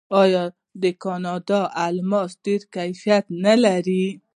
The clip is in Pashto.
آیا د کاناډا الماس ډیر کیفیت نلري؟